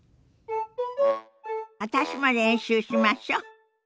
私も練習しましょ。